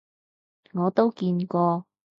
我都見過